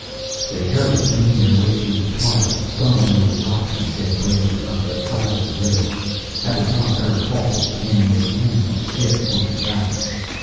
They hurried, making their way through the twilight, stumbling over rocks and dead branches, up the side of the ridge. At the top Erick halted, standing with his hands on his hips, looking back.